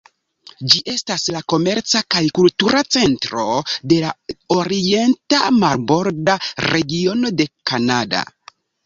Ĝi estas la komerca kaj kultura centro de la orienta marborda regiono de Kanada.